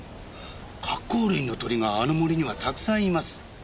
カッコウ類の鳥があの森にはたくさんいます。